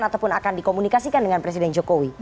ataupun akan dikomunikasikan dengan presiden jokowi